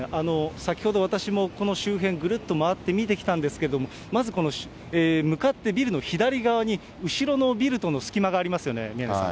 先ほど、私もこの周辺、ぐるっと回って見てきたんですけれども、まずこの向かってビルの左側に、後ろのビルとの隙間がありますよね、宮根さん。